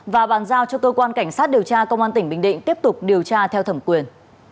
và bàn giao cho cơ quan cảnh sát điều tra công an tỉnh bình định tiếp tục điều tra theo thẩm quyền